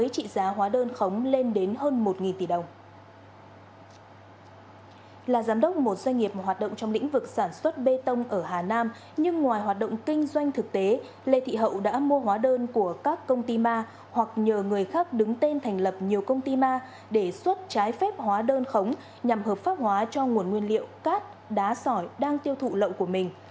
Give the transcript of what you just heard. trong lĩnh vực sản xuất bê tông ở hà nam nhưng ngoài hoạt động kinh doanh thực tế lê thị hậu đã mua hóa đơn của các công ty ma hoặc nhờ người khác đứng tên thành lập nhiều công ty ma để xuất trái phép hóa đơn khống nhằm hợp pháp hóa cho nguồn nguyên liệu cát đá sỏi đang tiêu thụ lậu của mình